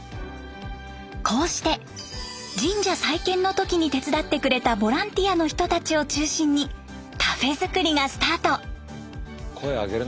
こうして神社再建の時に手伝ってくれたボランティアの人たちを中心にカフェ造りがスタート。